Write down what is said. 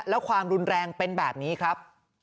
แล้วความรุนแรงเป็นแบบนี้ครับ